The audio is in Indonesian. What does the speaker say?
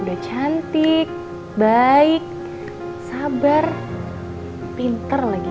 udah cantik baik sabar pinter lagi